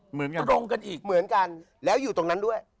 เหมือนกันตรงกันอีกเหมือนกันแล้วอยู่ตรงนั้นด้วย